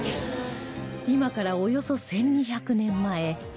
今からおよそ１２００年前平安時代